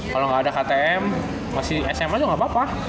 kalau nggak ada ktm masih sma juga nggak apa apa